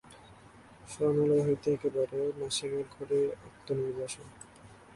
শয়নালয় হইতে একেবারে মাসিমার ঘরে আত্মনির্বাসন!